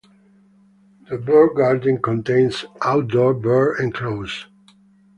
The Bird Garden contains outdoor bird enclosures.